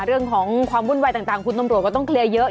เรื่องของความวุ่นวายต่างคุณตำรวจก็ต้องเคลียร์เยอะ